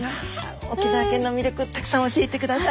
沖縄県の魅力たくさん教えてください。